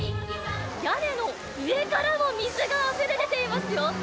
屋根の上からも水があふれ出ていますよ。